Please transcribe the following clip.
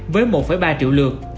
với một ba triệu lượt